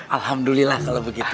alhamdulillah kalau begitu